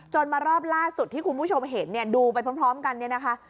มารอบล่าสุดที่คุณผู้ชมเห็นเนี่ยดูไปพร้อมกันเนี่ยนะคะ